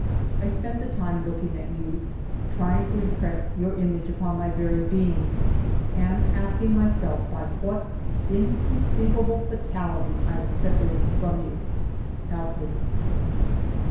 I spent the time looking at you, trying to impress your im age upon my very being, and asking myself by what inconceivable fatality I was separated from you. ... Alfred."